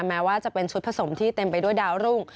แม้ว่าจะเป็นชุดผสมที่เต็มไปด้วยดาวรุ่ง